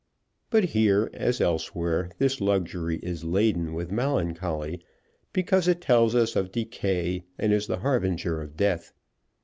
But here, as elsewhere, this luxury is laden with melancholy, because it tells us of decay, and is the harbinger of death.